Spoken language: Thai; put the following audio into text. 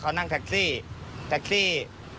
เขานั่งแท็กซี่แท็กซี่